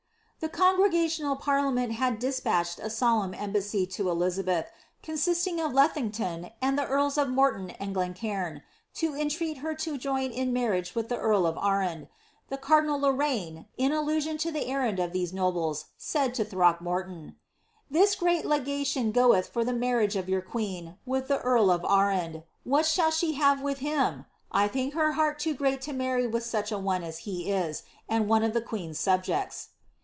' The congregational parliament had dispatched a solemn eniliassy to Elizabeth, consisting of Lethingtoo and the earls of Morton and Glen cairn, to entreat her to join in marriage with the carl of Arran ; the cardinal Lorraine, in allusion to the errand of these nobles, aaid to Throckmorton, ^ This great les^ation goeth for the marriage of your queen with the earl of Arran. What shall she have with him ? I think her heart too great to marry with such a one as he is, and one of the queen^s subjects.